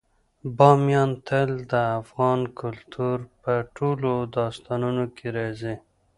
بامیان تل د افغان کلتور په ټولو داستانونو کې راځي.